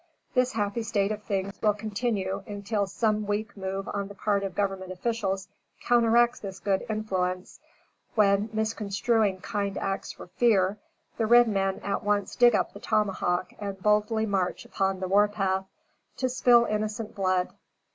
This happy state of things will continue until some weak move on the part of government officials counteracts this good influence, when, misconstruing kind acts for fear, the red men at once dig up the tomahawk and boldly march upon the war path, to spill innocent blood.